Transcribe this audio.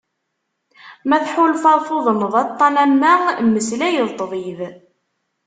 Ma tḥulfaḍ tuḍneḍ aṭan am wa, mmeslay d ṭṭbib.